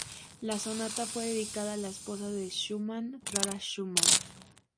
La sonata fue dedicada a la esposa de Schumann, Clara Schumann.